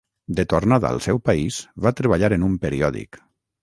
De tornada al seu país va treballar en un periòdic.